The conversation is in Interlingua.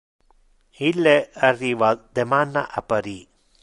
Ille arriva deman a Paris.